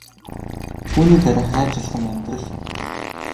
Түүнийг харин хайж олох нь амьдрал юм.